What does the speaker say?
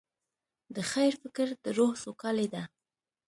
د خیر فکر د روح سوکالي ده.